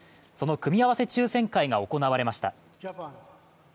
その組み合わせ抽選会が行われました。